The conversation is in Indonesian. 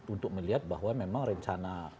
untuk melihat bahwa memang rencana